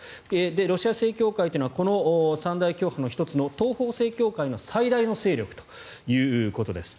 ロシア正教会というのはこの三大教派の１つの東方正教会の最大の勢力ということです。